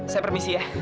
saya permisi ya